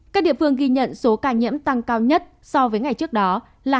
các địa phương ghi nhận số ca nhiễm tăng cao nhất so với ngày trước đó là